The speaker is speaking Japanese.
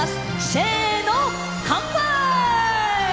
せーの、乾杯！